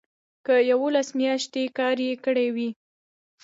که یوولس میاشتې کار یې کړی وي.